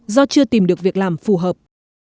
do chưa tìm được việc làm phù hợp